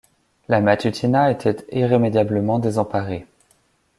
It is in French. La Matutina était irrémédiablement désemparée.